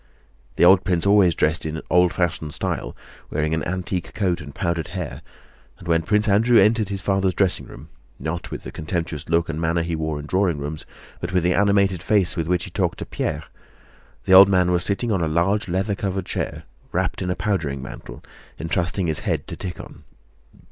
The old prince always dressed in old fashioned style, wearing an antique coat and powdered hair; and when Prince Andrew entered his father's dressing room (not with the contemptuous look and manner he wore in drawing rooms, but with the animated face with which he talked to Pierre), the old man was sitting on a large leather covered chair, wrapped in a powdering mantle, entrusting his head to Tíkhon.